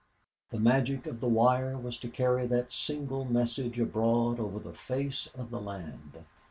'" The magic of the wire was to carry that single message abroad over the face of the land.